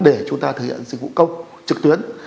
để chúng ta thực hiện dịch vụ công trực tuyến